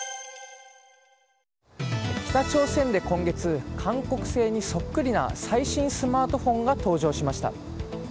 北朝鮮で今月韓国製にそっくりな最新スマートフォンが登場しました。